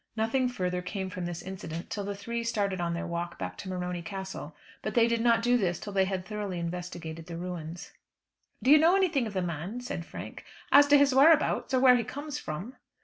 Nothing further came from this incident till the three started on their walk back to Morony Castle. But they did not do this till they had thoroughly investigated the ruins. "Do you know anything of the man?" said Frank, "as to his whereabouts? or where he comes from?"